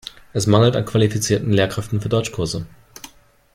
Es mangelt an qualifizierten Lehrkräften für Deutschkurse.